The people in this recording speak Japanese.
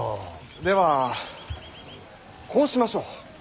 ではこうしましょう。